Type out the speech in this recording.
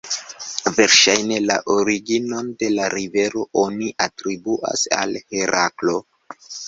Verŝajne, la originon de la rivero oni atribuas al Heraklo.